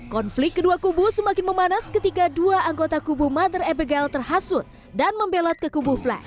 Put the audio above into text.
konflik kedua kubu semakin memanas ketika dua anggota kubu mother abigail terhasut dan membelot ke kubu flash